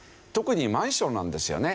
特にマンションなんですよね。